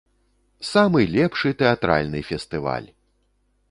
Самы лепшы тэатральны фестываль!